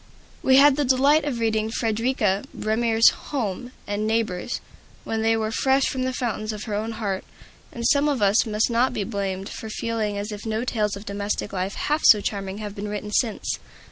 We had the delight of reading Frederika Bremer's "Home" and "Neighbors" when they were fresh from the fountains of her own heart; and some of us must not be blamed for feeling as if no tales of domestic life half so charming have been written since.